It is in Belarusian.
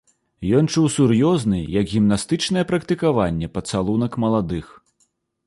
Ён чуў сур'ёзны, як гімнастычнае практыкаванне, пацалунак маладых.